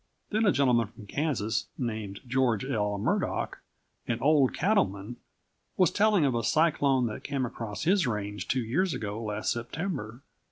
Then a gentleman from Kansas, named George L. Murdock, an old cattleman, was telling of a cyclone that came across his range two years ago last September.